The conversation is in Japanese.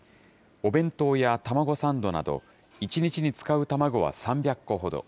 お弁当や卵サンドなど、１日に使う卵は３００個ほど。